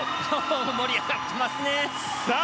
盛り上がってますね！